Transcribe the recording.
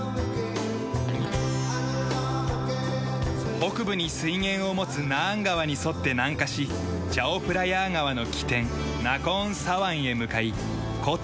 北部に水源を持つナーン川に沿って南下しチャオプラヤー川の起点ナコーンサワンへ向かい古都